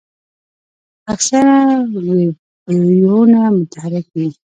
اکثره ویبریونونه متحرک وي.